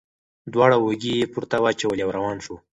دواړه اوږې یې پورته واچولې او روان شو.